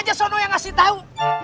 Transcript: lu aja jono yang ngasih tau